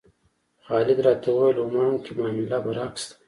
خالد راته وویل عمان کې معامله برعکس ده.